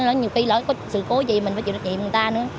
nói nhiều khi lỡ có sự cố gì mình phải chịu trách nhiệm người ta nữa